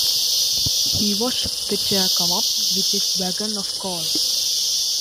He watched the chair come up, with its wagon of coal.